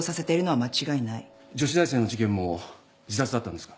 女子大生の事件も自殺だったんですか？